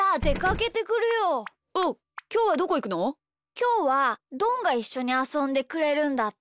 きょうはどんがいっしょにあそんでくれるんだって。